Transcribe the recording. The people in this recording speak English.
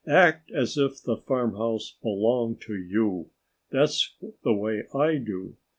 Act as if the farmhouse belonged to you. That's the way I do.